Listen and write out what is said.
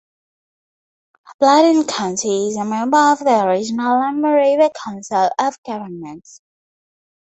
Bladen County is a member of the regional Lumber River Council of Governments.